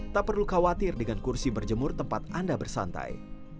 tak perlu khawatir dengan kursi berjemur tempat anda bersantai